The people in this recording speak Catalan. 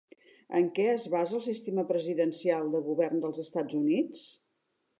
En què es basa el sistema presidencial de govern dels Estats Units?